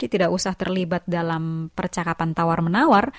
tidak usah terlibat dalam percakapan tawar menawar